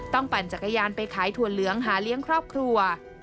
ปั่นจักรยานไปขายถั่วเหลืองหาเลี้ยงครอบครัว